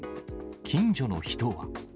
近所の人は。